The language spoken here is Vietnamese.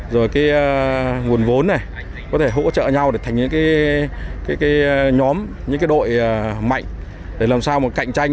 rồi nguồn vốn để hỗ trợ nhau thành những đội mạnh để làm sao cạnh tranh